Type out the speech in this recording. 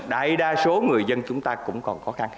đại đa số người dân chúng ta cũng còn khó khăn